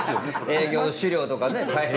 営業資料とかね大変。